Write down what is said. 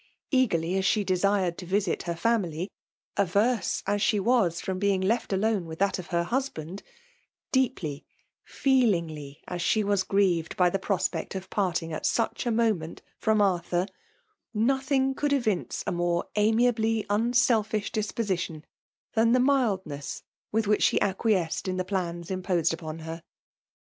Eagedy as she desired to visit her famfly; averse as she was finom being left alone with ihat of her husband ; deeply, feelingly, as she was grieved by the prospect of parting at sueh a moment firom Arthur, nothing could evince a more amiably unselfish disposition than the mildness with which she acquiesced in the plans imposed upon her..